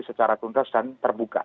secara tuntas dan terbuka